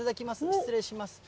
失礼します。